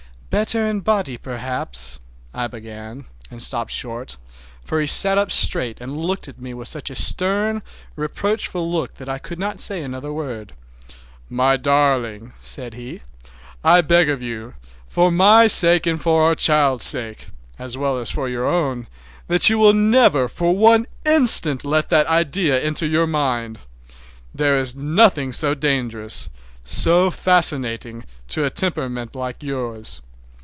"Better in body perhaps"—I began, and stopped short, for he sat up straight and looked at me with such a stern, reproachful look that I could not say another word. "My darling," said he, "I beg of you, for my sake and for our child's sake, as well as for your own, that you will never for one instant let that idea enter your mind! There is nothing so dangerous, so fascinating, to a temperament like yours.